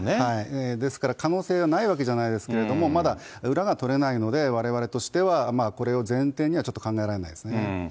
ですから、可能性はないわけではないですけれども、まだ裏が取れないので、われわれとしては、これを前提にはちょっと考えられないですね。